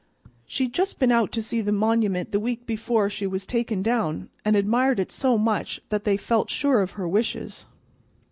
She'd just been out to see the monument the week before she was taken down, and admired it so much that they felt sure of her wishes."